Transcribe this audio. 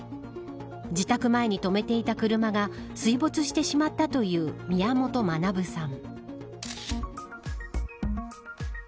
自宅前に止めていた車が水没してしまったという宮本学さん。